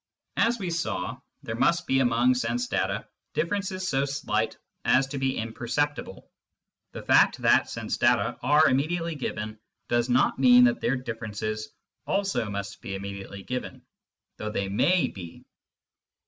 As we saw, there must be among sense data differences so slight as to be imperceptible : the fact that sense data are immediately given does not mean that their differences also must be immediately given (though they may be).